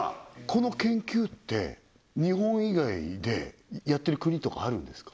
この研究って日本以外でやってる国とかあるんですか？